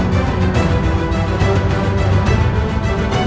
dan kita juga lirik